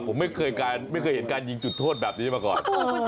ผมไม่เคยเห็นการยิงจุดโทษแบบนี้มาก่อน